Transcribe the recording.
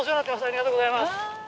ありがとうございます。